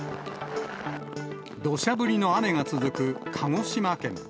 どしゃ降りの雨が続く鹿児島県。